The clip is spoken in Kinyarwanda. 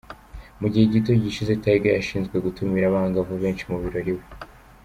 Mu gihe gito gishize, Tyga yashinjwe gutumira abangavu benshi mu birori iwe.